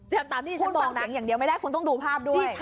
เดี๋ยวตามที่ฉันมองนะคุณฟังเสียงอย่างเดียวไม่ได้คุณต้องดูภาพด้วย